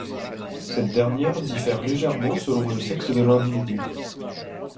Cette dernière diffère légèrement selon le sexe de l'individu.